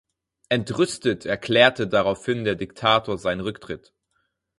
Entrüstet erklärte daraufhin der Diktator seinen Rücktritt.